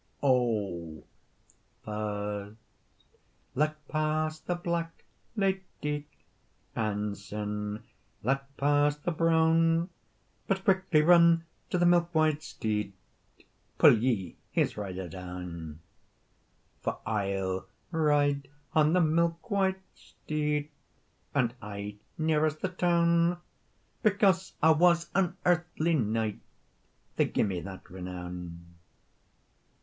"O first let pass the black, lady, And syne let pass the brown, But quickly run to the milk white steed, Pu ye his rider down. "For I'll ride on the milk white steed, And ay nearest the town; Because I was an earthly knight They gie me that renown.